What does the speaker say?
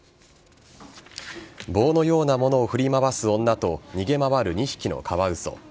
棒のようなものを振り回す女と逃げ回る２匹のカワウソ。